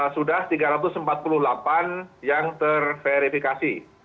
sudah tiga ratus empat puluh delapan yang terverifikasi